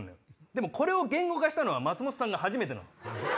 でもこれを言語化したのは松本さんが初めてなの。